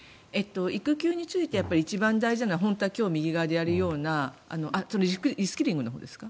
育休について一番大事なのは本当は今日右側でやるようなリスキリングのほうですか？